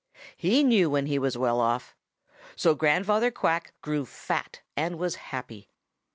He knew when he was well off. So Grandfather Quack grew fat and was happy.